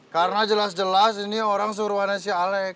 karena jelas jelas ini orang suruhannya si alec